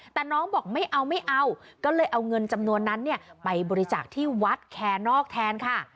แต่น้องบอกไม่เอาไม่เอาก็เลยเอาเงินจำนวนนั้นเนี่ยไปบริจาคที่วัดแคนอกแทนค่ะ